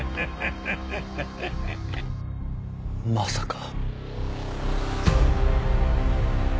まさか。